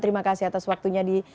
terima kasih atas waktunya di